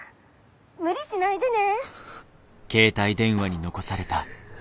無理しないでね。